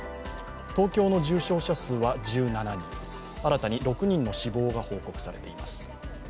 東京の重症者数は１７人新たに６人の死亡が報告されています。